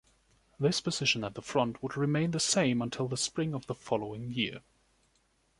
This position at the front would remain the same until the spring of the following year.